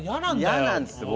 嫌なんですよ